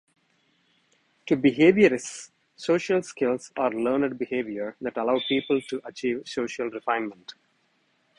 To behaviorists, social skills are learned behavior that allow people to achieve social reinforcement.